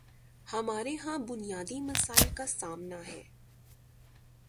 ہمارے ہاں بنیادی مسائل کا سامنا ہے۔